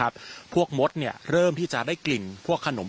และก็คือว่าถึงแม้วันนี้จะพบรอยเท้าเสียแป้งจริงไหม